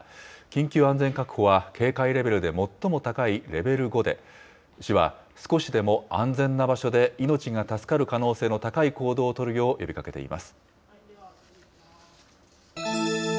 緊急安全確保は警戒レベルで最も高いレベル５で、市は少しでも安全な場所で命が助かる可能性の高い行動を取るよう呼びかけています。